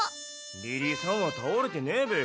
リリーさんはたおれてねえべよ。